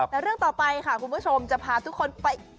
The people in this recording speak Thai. แต่เรื่องต่อไปค่ะคุณผู้ชมจะพาทุกคนไป